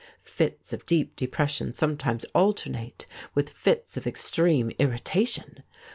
Fits of deep depression sometimes alternate with fits of extreme irrita tion.